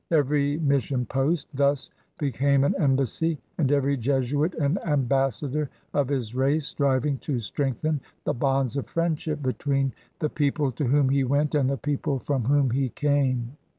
Every mission post thus became an embassy, and every Jesuit an ambassador of his race, striv ing to strengthen the bonds of friendship between the people to whom he went and the people from whom he came.